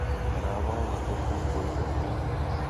Hrával na postu spojka.